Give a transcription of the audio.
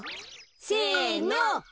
せの。